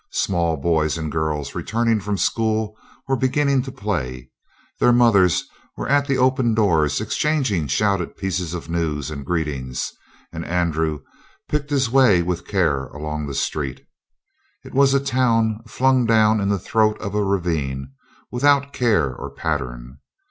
Small boys and girls, returning from school, were beginning to play. Their mothers were at the open doors exchanging shouted pieces of news and greetings, and Andrew picked his way with care along the street. It was a town flung down in the throat of a ravine without care or pattern.